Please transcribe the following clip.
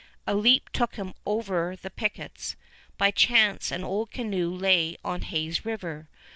A leap took him over the pickets. By chance an old canoe lay on Hayes River.